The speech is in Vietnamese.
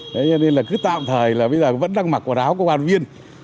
thế nên là cứ tạm thời là bây giờ vẫn đang mặc quả đáo công an viên